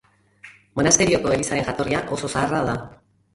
Monasterioko elizaren jatorria oso zaharra da.